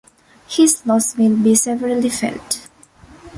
His loss will be severely felt.